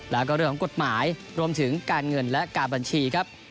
แล้วก็เรื่องของกฎหมายรวมถึงการเงินและการบัญชีครับ